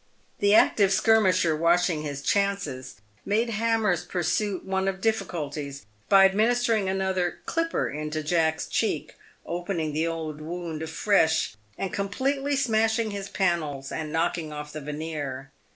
The active skirmisher, watching his chances, made Hammer's pursuit one of difficulties, by administering another " clip per" into Jack's cheek, opening the old wound afresh, and completely " smashing his panels," and "knocking off the veneer."